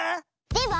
では